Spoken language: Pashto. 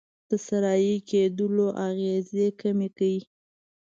د صحرایې کیدلو اغیزې کمې کړي.